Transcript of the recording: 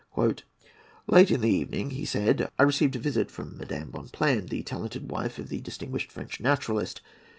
"Late in the evening," he said, "I received a visit from Madame Bonpland, the talented wife of the distinguished French naturalist.